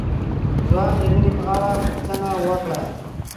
ځوان د مينې په اړه پوښتنه وکړه.